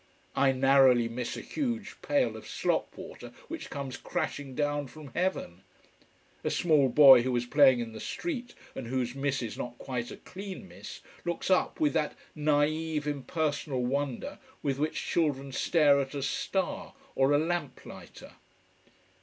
I narrowly miss a huge pail of slop water which comes crashing down from heaven. A small boy who was playing in the street, and whose miss is not quite a clean miss, looks up with that naïve, impersonal wonder with which children stare at a star or a lamp lighter.